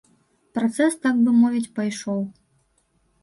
Працэс так бы мовіць пайшоў.